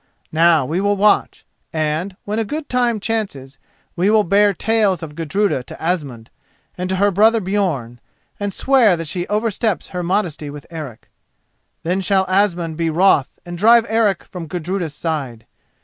Now we will watch, and, when a good time chances, we will bear tales of Gudruda to Asmund and to her brother Björn, and swear that she oversteps her modesty with Eric. Then shall Asmund be wroth and drive Eric from Gudruda's side.